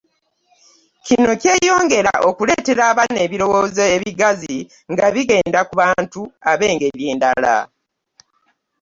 Kino kyeyongera okuleetera abaana ebirowoozo ebigazi nga bigenda ku bantu ab'engeri endala.